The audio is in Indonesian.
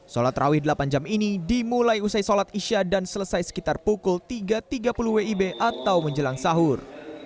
sholat rawih delapan jam ini dimulai usai sholat isya dan selesai sekitar pukul tiga tiga puluh wib atau menjelang sahur